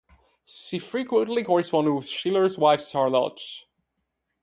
She frequently corresponded with Schiller's wife Charlotte.